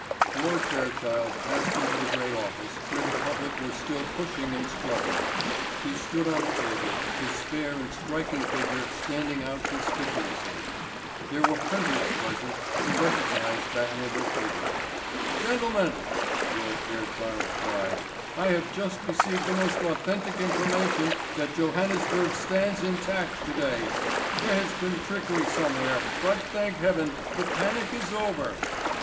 Lord Fairchild passed into the great office where the public were still pushing and struggling. He stood on a table, his spare and striking figure standing out conspicuously. There were hundreds present who recognised that noble figure. "Gentlemen," Lord Fairchild cried, "I have just received the most authentic information that Johannesburg stands intact to day. There has been trickery somewhere, but, thank Heaven, the panic is over."